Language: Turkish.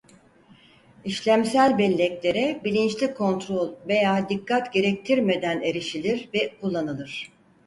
İşlemsel belleklere bilinçli kontrol veya dikkat gerektirmeden erişilir ve kullanılır.